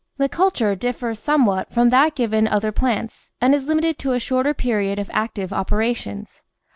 The culture differs some what from that given other plants and is limited to a shorter period of active operations.